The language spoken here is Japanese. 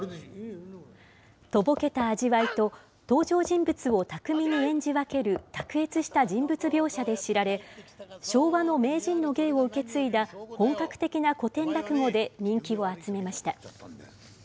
とぼけた味わいと、登場人物を巧みに演じ分ける卓越した人物描写で知られ、昭和の名人の芸を受け継いだ本格的な古典落語で人気を集めました。